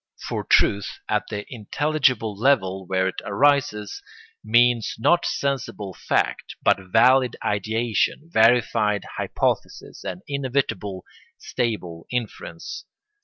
For truth, at the intelligible level where it arises, means not sensible fact, but valid ideation, verified hypothesis, and inevitable, stable inference.